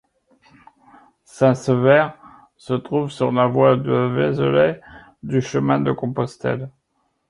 Saint-Sever se trouve sur la voie de Vézelay du chemin de Compostelle.